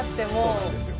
そうなんですよ。